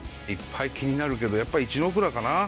いっぱい気になるけどやっぱ一ノ蔵かな。